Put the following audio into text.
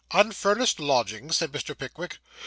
'Unfurnished lodgings?' said Mr. Pickwick.